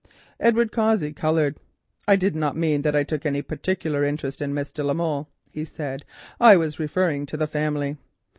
Edward Cossey coloured. "I did not mean that I took any particular interest in Miss de la Molle," he said, "I was referring to the family."